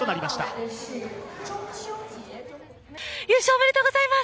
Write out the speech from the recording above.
おめでとうございます！